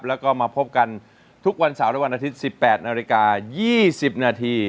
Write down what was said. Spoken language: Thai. แล้วก็มาพบกันทุกวันเสาร์และวันอาทิตย์๑๘นาฬิกา๒๐นาที